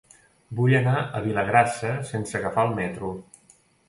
Vull anar a Vilagrassa sense agafar el metro.